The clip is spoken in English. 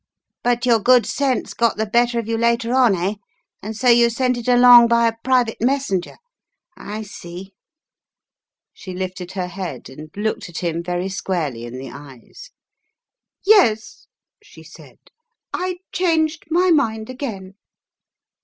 "But your good sense got the better of you later on, eh? And so you sent it along by a private messenger? I see " She lifted her head and looked at him very squarely in the eyes. "Yes," she said. "I changed my mind again."